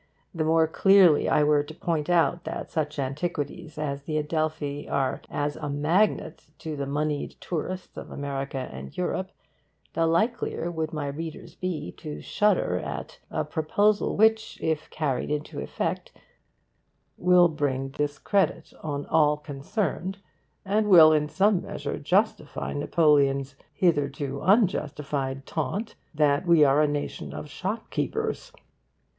The more clearly I were to point out that such antiquities as the Adelphi are as a magnet to the moneyed tourists of America and Europe, the likelier would my readers be to shudder at 'a proposal which, if carried into effect, will bring discredit on all concerned and will in some measure justify Napoleon's hitherto unjustified taunt that we are a nation of shopkeepers.